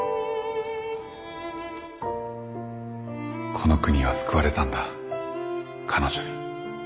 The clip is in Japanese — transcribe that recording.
この国は救われたんだ彼女に。